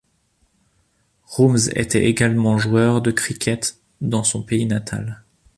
Roomes était également joueur de cricket dans son pays natal.